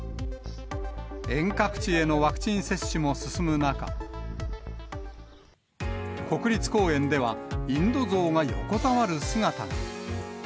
遠隔地へのワクチン接種も進む中、国立公園では、インドゾウが横たわる姿が。